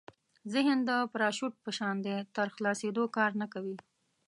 ذهن د پراشوټ په شان دی تر خلاصېدو کار نه کوي.